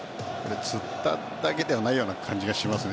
つっただけではないような感じがしますね。